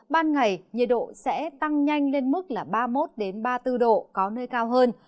ban ngày nhiệt độ sẽ tăng nhanh lên mức ba mươi một ba mươi bốn độ có nơi cao hơn